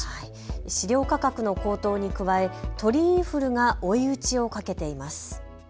飼料価格の高騰に加え鳥インフルが追い打ちをかけています。